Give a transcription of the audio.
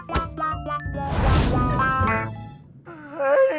คุณเป็นใคร